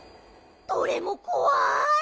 どれもこわい！